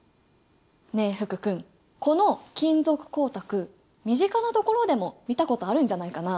ねえ福君この金属光沢身近なところでも見たことあるんじゃないかな？